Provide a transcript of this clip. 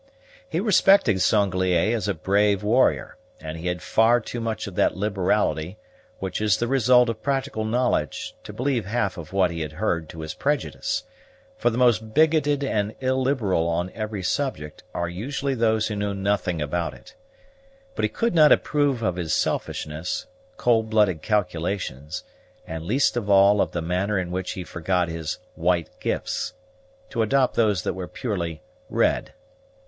He respected Sanglier as a brave warrior; and he had far too much of that liberality which is the result of practical knowledge to believe half of what he had heard to his prejudice, for the most bigoted and illiberal on every subject are usually those who know nothing about it; but he could not approve of his selfishness, cold blooded calculations, and least of all of the manner in which he forgot his "white gifts," to adopt those that were purely "red."